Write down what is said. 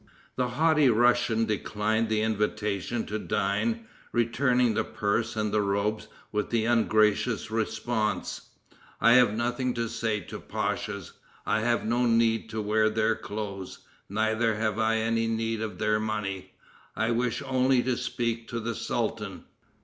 The haughty Russian declined the invitation to dine, returning the purse and the robes with the ungracious response, "I have nothing to say to pachas. I have no need to wear their clothes, neither have I any need of their money. I wish only to speak to the sultan."